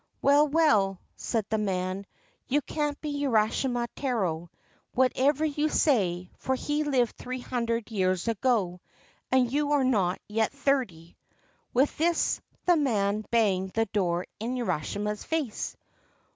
' Well, well,' said the man, ' you can't be Urashima Taro, whatever you say, for he lived three hundred years ago, and you are not yet thirty.' With this the man banged the door in Urashima's face.